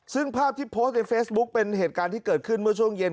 ซึ่งภาพที่โพสต์ในเฟซบุ๊กเป็นเหตุการณ์ที่เกิดขึ้นเมื่อช่วงเย็น